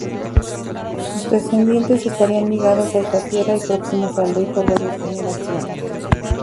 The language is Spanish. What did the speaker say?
Sus descendientes estarían ligados a esta tierra y próximos al rey por varias generaciones.